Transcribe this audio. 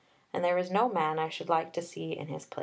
And there is no man I should like to see in his place."